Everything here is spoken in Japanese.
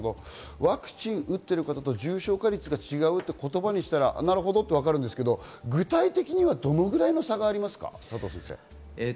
ワクチンを打っている方は重症化率が違うと言葉にしたらわかるんですけれども、具体的にはどのくらいの差がありますか？